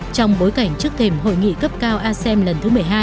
trong bối cảnh trước thềm hội nghị cấp cao asem lần thứ một mươi hai